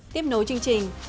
tiếp nối chương trình